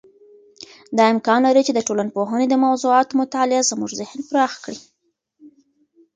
دا امکان لري چې د ټولنپوهنې د موضوعاتو مطالعه زموږ ذهن پراخ کړي.